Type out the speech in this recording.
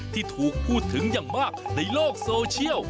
ที่ถูกพูดถึงอย่างมากในโลกโซเชียล